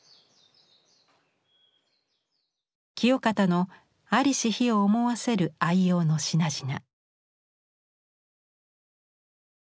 清方の在りし日を思わせる愛用の品々。